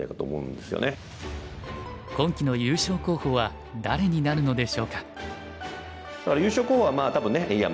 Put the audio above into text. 今期の優勝候補は誰になるのでしょうか。